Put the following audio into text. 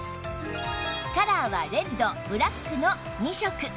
カラーはレッドブラックの２色